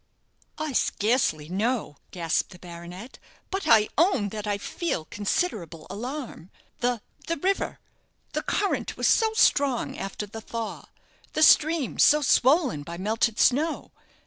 "I scarcely know," gasped the baronet; "but I own that I feel considerable alarm the the river the current was so strong after the thaw the stream so swollen by melted snow.